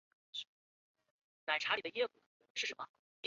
张国士为道光十九年张之万榜二甲进士。